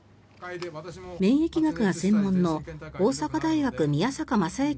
免疫学が専門の大阪大学、宮坂昌之